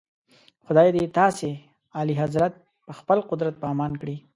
خدای دې تاسي اعلیحضرت په خپل قدرت په امان کړي.